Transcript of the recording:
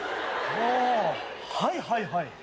はいはいはい。